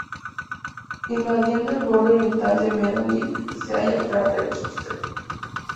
Invadiendo el borde oriental de Mendeleev se halla el cráter Schuster.